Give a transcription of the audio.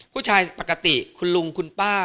ผู้ชายปกติคุณลุงคุณป้า